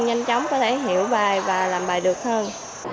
nhanh chóng có thể hiểu bài và làm bài được hơn